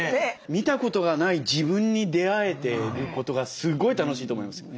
見たことがない自分に出会えてることがすごい楽しいと思いますよ。